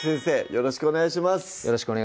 よろしくお願いします